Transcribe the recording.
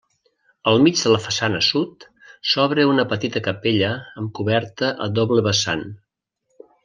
Al mig de la façana sud, s'obre una petita capella amb coberta a doble vessant.